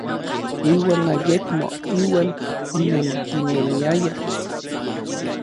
Iuan ayekmo iuan onentinemiayaj.